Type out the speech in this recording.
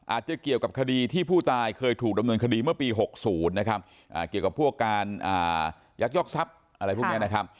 อาจจะเกี่ยวกับคดีที่ผู้ตายเคยถูกดำเนินคดีเมื่อปี๖๐นะครับเกี่ยวกับพวกการยักยอกทรัพย์อะไรพวกนี้นะครับ